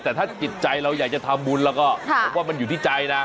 แต่ถ้าจิตใจเราอยากจะทำบุญแล้วก็ผมว่ามันอยู่ที่ใจนะ